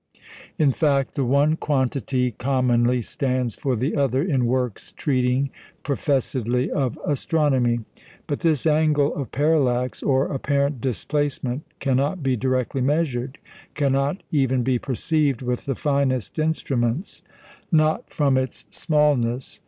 In fact, the one quantity commonly stands for the other in works treating professedly of astronomy. But this angle of parallax or apparent displacement cannot be directly measured cannot even be perceived with the finest instruments. Not from its smallness.